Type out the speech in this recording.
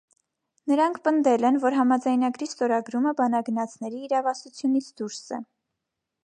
Նրանք պնդել են, որ համաձայնագրի ստորագրումը բանագնացների իրավասությունից դուրս է։